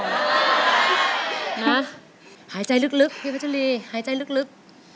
มาหายใจลึกพี่พระเจรีย์หายใจลึก